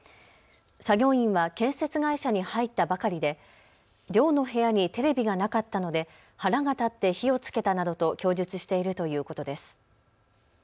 作業員は建設会社に入ったばかりで寮の部屋にテレビがなかったので腹が立って火をつけたなどと供述しているということです。